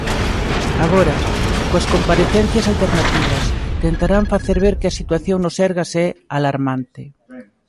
Agora, coas comparecencias alternativas, tentarán facer ver que a situación no Sergas é "alarmante".